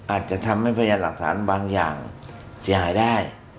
อาจจะทำให้พยานหลักฐานบางอย่างเสียหายได้